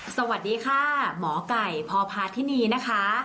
สวัสดีค่ะหมอไก่พพาธินีนะคะ